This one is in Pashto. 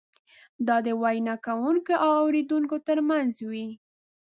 دا د وینا کوونکي او اورېدونکي ترمنځ وي.